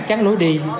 chán lối đi